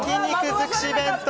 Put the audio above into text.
づくし弁当。